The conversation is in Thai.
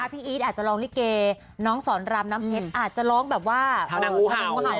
พี่เอสอาจจะร้องลีกเกย์น้องสอนรามน้ำเพ็ดอาจจะร้องแบบตัวไหน